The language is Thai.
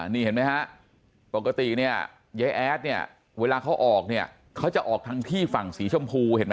นี่เห็นไหมฮะปกติเนี่ยยายแอดเนี่ยเวลาเขาออกเนี่ยเขาจะออกทางที่ฝั่งสีชมพูเห็นไหม